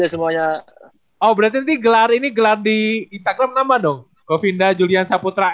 semuanya oh berarti ini gelar ini gelar di instagram nama dong kofinda julian saputra